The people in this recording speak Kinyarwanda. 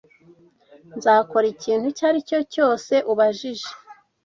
Nzakora ikintu icyo ari cyo cyose ubajije.